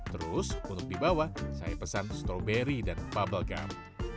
terus untuk di bawah saya pesan stroberi dan bubble gump